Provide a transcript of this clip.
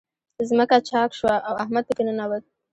ځمکه چاک شوه، او احمد په کې ننوت.